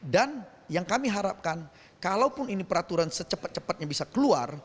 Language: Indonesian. dan yang kami harapkan kalaupun ini peraturan secepat cepatnya bisa keluar